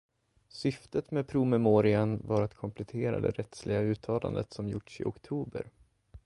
Syftet med promemorian var att komplettera det rättsliga uttalandet som gjorts i oktober.